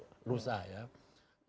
itu dia yang bersikap besar atau rusak